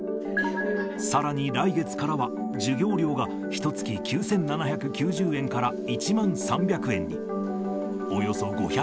さらに来月からは、授業料が、ひとつき９７９０円から１万３００円に。